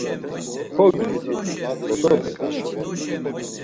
Kogniti bozope?